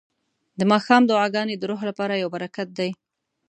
د ماښام دعاګانې د روح لپاره یو برکت دی.